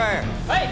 はい！